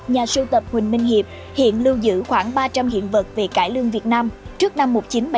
nhà sưu tập huỳnh minh hiệp hiện lưu giữ khoảng ba trăm linh hiện vật về cải lương việt nam trước năm một nghìn chín trăm bảy mươi năm